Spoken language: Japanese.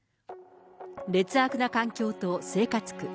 劣悪な環境と生活苦。